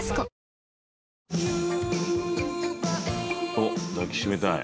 おっ「抱きしめたい！」。